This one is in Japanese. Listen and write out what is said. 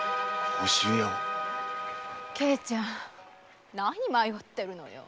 慶ちゃんなに迷ってるの？